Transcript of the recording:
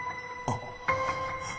あっ。